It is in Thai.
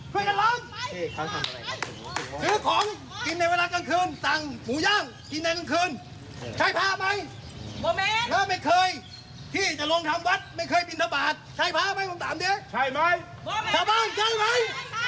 ใช่ใช่ใช่ใช่ใช่ใช่ใช่ใช่ใช่ใช่ใช่